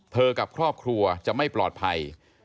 กับครอบครัวจะไม่ปลอดภัย